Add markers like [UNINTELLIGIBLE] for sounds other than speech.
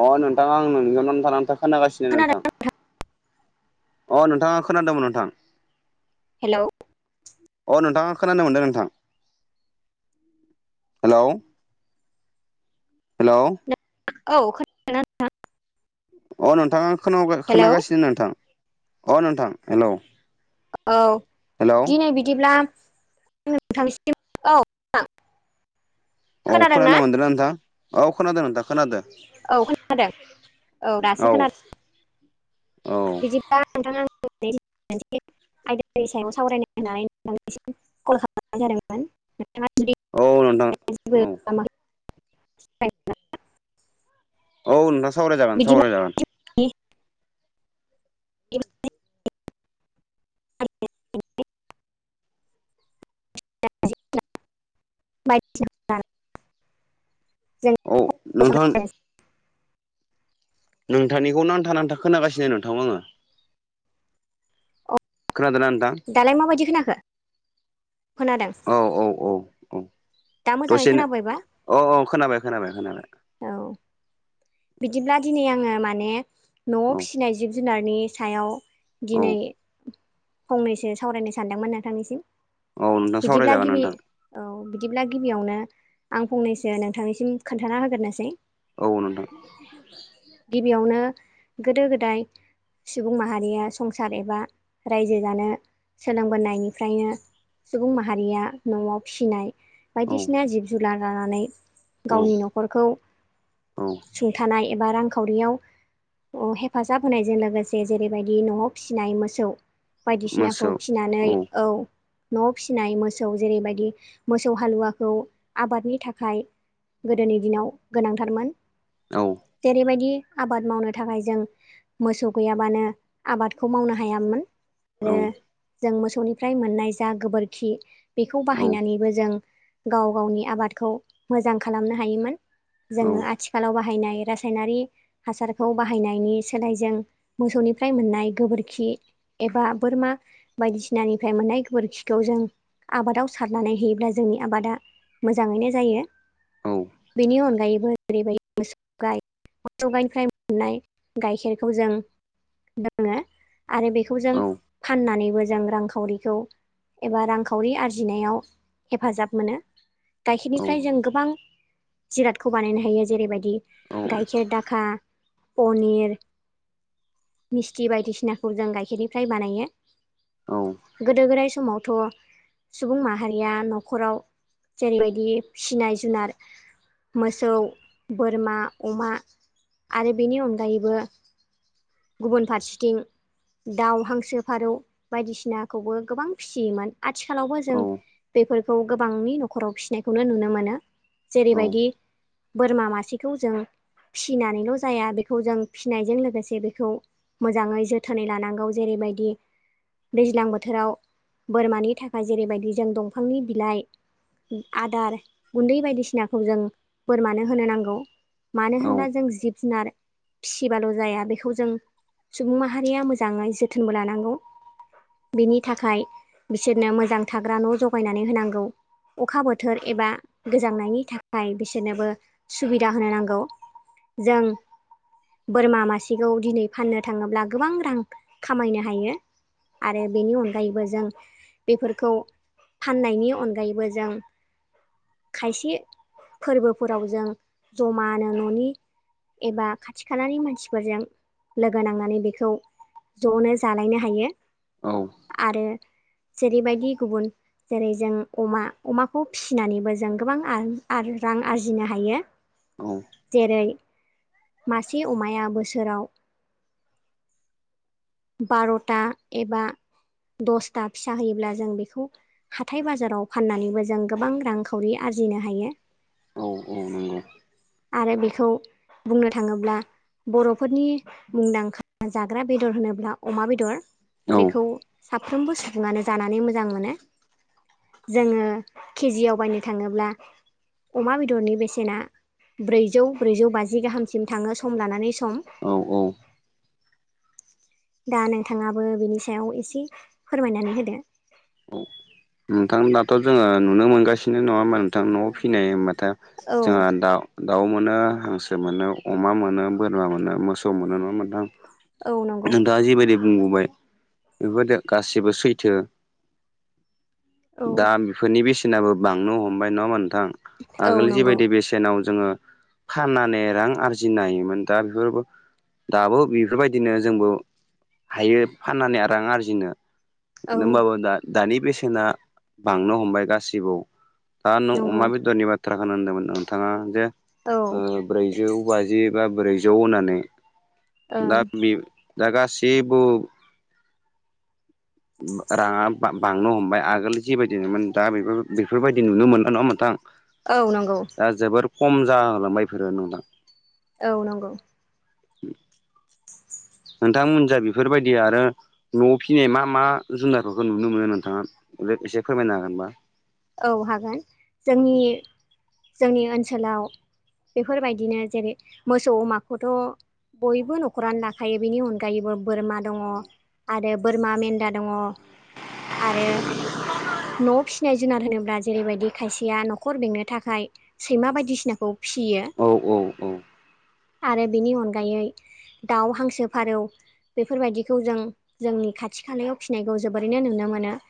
अ नोंथां आं नोंनिखौ नांथा नांथा खोनागासिनो खोनादों नोंथां अ नोंथां आं खोनादोंमोन नोंथां हेल' अ नोंथां आं खोनानो मोनदों नोंथां हेल' हेल' औ खौना अ नोंथां आं खोना हेलौ खोनागासिनो नोंथां अ नोंथां हेलौ औ हेलौ दिनै बिदिब्ला नोंथांसिम औ औ खोनादोंना खोनानो मोनदोंना नोंथां औ खोनादों नोंथां खोनादों औ खोनादों औ दासो खोनादों औ [UNINTELLIGIBLE] आयदानि सायाव सावरायनो होननानै नोंथांनिसिम कल खालाम नाय जादोंमोन। नोंथाङा औ नोंथां औ [UNINTELLIGIBLE] औ नोंथां सावराय जागोन बिदिब्ला सावराय जागोन। [UNINTELLIGIBLE] औ नोंथां सावरायनोसै नोंथानिखौ नांथा नांथा खोनागासिनो नोंथांव आङो। अ खोनादोंना नोंथां? दालाय माबायदि खोनाखो? खोनादों। औ औ औ औ। दा मोजाङै खोनाबायबा? अ अ खोनाबाय खोनाबाय खोनाबाय। औ बिदिब्ला दिनै आङो माने न'आव औ फिसिनाय जिब जुनारनि सायाव औ दिनै फंनैसो सावरायनो सानदोंमोन नोंथांनिसिम। औ नोंथां बिदिब्ला सावरायजागोन गिबि नोंथां औ बिदिब्ला गिबियावनो आं फंनैसो नोंथांनिसिम खोन्थाना होग्रोनोसै औ नोंथां। गिबियावनो गोदो गोदाय सुबुं माहारिया संसार एबा रायजो जानो सोलोंबोनायनिफ्रायनो सुबुं माहारिया न'आव फिसिनाय औ बायदिसिना जिब जुनार लानानै औ गावनि न'खरखौ औ। हुंथानाय एबा रांखावरियाव अ हेफाजाब होनायजों लोगोसे जेरैबायदि न'आव फिसिनाय मोसौ बायदिसिनाखौ मोसौ फिनानै औ। न'आव फिसिनाय मोसौ जेरैबायदि मोसौ हालुवाखौ आबादनि थाखाय गोदोनि दिनाव गोनांथारमोन। औ। जेरैबायदि आबाद मावनो थाखाय जों मोसौ गैयाबानो आबादखौ मावनो हायामोन। औ आरो जों मोसौनिफ्राय मोननाय जा गोबोरखि बेखौ औ बाहायनानैबो जों गाव गावनि आबादखौ मोजां खालामनो हायोमोन। औ जोङो आथिखालाव बाहायनाय रासायनारि हासारखौ बाहायनायनि सोलाय जों मोसौनिफ्राय मोननाय गोबोरखि एबा बोरमा बायदिसिनानिफ्राय मोननाय गोबोरखिखौ जों आबादाव सारनानै होयोब्ला जोंनि आबादा मोजाङैनो जायो। औ बेनि अनगायैबो जेरैबायदि मोसौ गाय मोसौ गायनिफ्राय मोननाय गाइखेरखौ जों लोङो आरो बेखौ औ जों फाननानैबो जों रांखावरिखौ एबा रांखावरि आरजिनायाव हेफाजाब मोनो। औ गाइखेरनिफ्राय जों गोबां जिरादखौ बानायनो हायो जेरैबायदि गायखेर दाखा, पनिर मिस्थि बायदिसिनाखौ जों गाइखेरनिफ्राय बानायो। औ। गोदो गोदाय समावथ' सुबुं माहारिया न'खराव जेरैबायदि फिसिनाय जुनार मोसौ, बोरमा, अमा आरो बेनि अनगायैबो गुबुन फारसेथिं दाउ, हांसो, फारौ बायदिसिनाखौबो गोबां फिसियोमोन। आथिखालावबो जों बेफोरखौ गोबांनि न'खराव फिसिनायखौनो नुनो मोनो जेरैबायदि बोरमा मा बेखौ जों फिसिनानैल' जाया बेखौ जों फिसिनायजों लोगोसे बेखौ मोजाङै जोथोनै लानांगौ जेरैबायदि दैज्लां बोथोराव बोरमानि थाखाय जेरैबायदि जों दंफांनि बिलाइ आदार गुन्दै बायदिसिनाखौ जों बोरमानो होनो नांगौ मानो होनब्ला जों जिब जुनार फिसिबाल' जाया बेखौ जों सुबुं माहारिया मोजाङै जोथोनबो लानांगौ बिनि थाखाय बिसोरनो मोजां थाग्रा न' जगायनानै होनांगौ अखा बोथोर एबा गोजांनायनि थाखाय बिसोरनोबो सुबिदा होनो नांगौ जों बोरमा मासेखौ दिनै फाननो थाङोब्ला गोबां रां खामायनो हायो आरो बेनि अनगायैबो जों बेफोरखौ फाननायनि अनगायैबो जों खायसे फोरबोफोराव जों जमानो न'नि एबा खाथि खालानि मानसिफोरजों लोगो नांनानै बेखौ ज'नो जालायनो हायो आरो जेरैबायदि गुबुन जेरै जों अमा अमाखौ फिसिनानैबो जों गोबां रां आरजिनो हायो औ जेरै मासे अमाया बोसोराव [INAUDIBLE] बार'था एबा दसथा फिसा होयोब्ला जों बेखौ हाथाय बाजाराव फाननानैबो जों गोबां रांखावरि आरजिनो हायो औ औ नंगौ आरो बेखौ बुंनो थाङोब्ला बर'फोरनि मुंदांखा जाग्रा बेदर होनोब्ला अमा बेदर बेखौ साफ्रोमबो सुबुङानो जानानै मोजां मोनो जोङो केजिआव बायनो थाङोब्ला अमा बेदरनि बेसेना ब्रैजौ ब्रैजौ बाजि गाहामसिम थाङो सम लानानै सम औ औ दा नोंथाङाबो बिनि सायाव एसे फोरमायनानै होदो औ नोंथां दाथ' जोङो नुनो मोनगासिनो नङा होमबा नोंथां न'आव फिनाय होमबाथाय औ जोंहा दाउ दाउ मोनो हांसो मोनो अमा मोनो बोरमा मोनो मोसौ मोनो नङा होनबा नोंथां औ नंगौ दा जिबायदि बुंबोबाय बेफोरदि गासिबो सैथो औ दा बेफोरनि बेसेनाबो बांनो हमबाय नङा होमबा नोंथां औ आगोल नंगौ जिबायदि बेसेन टेनाव जोङो फाननानै रां आरजिनायमोन दा बेफोरबो दाबो बेफोरबायदिनो जोंबो हायो फाननानै रां आरजिनो औ होमबाबो दा दानि बेसेना बांनो हमबाय गासिबो दा नों अमा नंगौ बेदरनि बाथ्राखौनो होनदोंमोन नोंथाङा जे औ ब्रै जौ बाजि बा ब्रैजौ होनानै ओं दा बे दा गासिबो राङा बांनो हमबाय आगोल जिबायदिमोन दा बे बेफोरबायदि नुनो मोनला नङा होमबा नोंथां आं औ नंगौ दा जोबोर खम जालांबाय बेफोरो नोंथां औ नंगौ नोंथांमोन जा बेफोरबायदि आरो न'आव फिनाय मा मा जुनारफोरखौ नुनो मोनो नोंथाङा एसे फोरमायनो हागोनबा? औ हागोन जोंनि जोंनि ओनसोलाव बेफोरबायदिनो जेरै मोसौ अमाखौथ' बयबो न'खरानो लाखायो बेनि अनगायैबो बोरमा दङ आरो बोरमा मेन्दा दङ आरो न' आव फिसिनायजों जुनार होनोब्ला जेरैबायदि खायसेया न'खर बेंनो थाखाय सैमा बायदिसिनाखौ फिसियो औ औ औ। आरो बेनि अनगायै दाउ, हांसो, फारौ बेफोर बायदिखौ जों जोंनि खाथि खालायाव फिनायखौ जोबोरैनो नुनो मोनो।